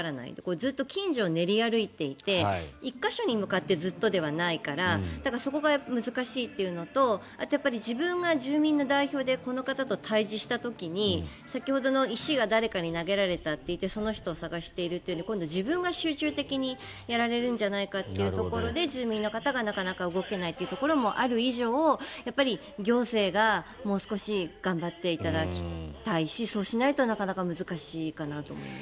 ずっと近所を練り歩いていて１か所に向かってずっとではないからだから、そこが難しいというのとあとは自分が住民の代表でこの方と対峙した時に先ほどの石が誰かに投げられたって言ってその人を捜していると今度、自分が集中的にやられるんじゃないかというところで住民の方がなかなか動けないというところがある以上行政がもう少し頑張っていただきたいしそうしないとなかなか難しいかなと思います。